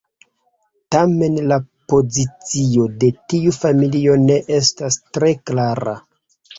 Tamen la pozicio de tiu familio ne estas tre klara.